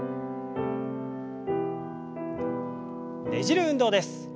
ねじる運動です。